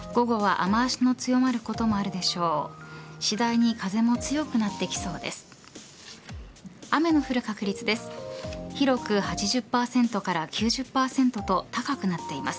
雨の降る確率です。